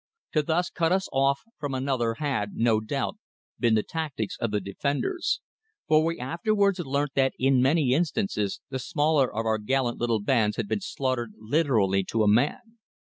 To thus cut us off one from another had, no doubt, been the tactics of the defenders, for we afterwards learnt that in many instances the smaller of our gallant little bands had been slaughtered literally to a man.